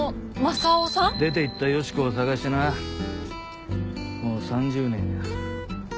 出ていった良子を捜してなもう３０年や。